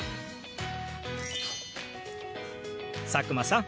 佐久間さん